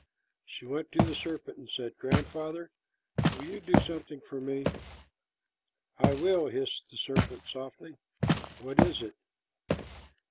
She went to the serpent and said, "Grandfather, will you do something for me?" "I will," hissed the serpent softly, "What is it?"